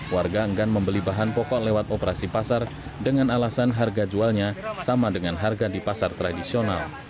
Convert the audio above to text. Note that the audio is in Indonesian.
warga enggan membeli bahan pokok lewat operasi pasar dengan alasan harga jualnya sama dengan harga di pasar tradisional